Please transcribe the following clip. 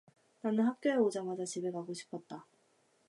나는 학교에 오자마자 집에 가고 싶었다.